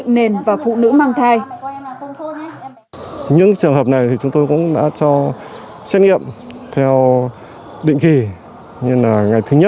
tiến thắng có một trăm tám mươi một trường hợp f một cách ly tại nhà